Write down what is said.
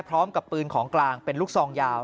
พร้อมกับปืนของกลางเป็นลูกซองยาว